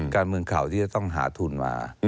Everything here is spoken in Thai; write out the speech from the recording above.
การเมืองเก่าที่จะต้องหาทุนมา